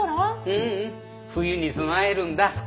ううん冬に備えるんだ！ハハハ。